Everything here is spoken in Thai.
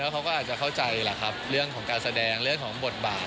เขาก็อาจจะเข้าใจแหละครับเรื่องของการแสดงเรื่องของบทบาท